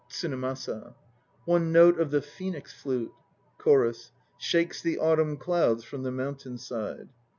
8 TSUNEMASA. "One note of the phoenix flute 4 CHORUS. Shakes the autumn clouds from the mountain side."